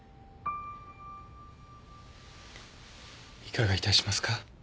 いかがいたしますか？